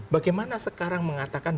bagaimana sekarang mengatakan